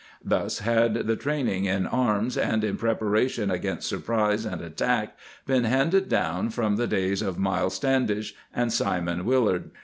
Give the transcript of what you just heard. Thus had the training in arms and in preparation against surprise and attack been handed down from the days of Myles Stan dish and Simon Willard.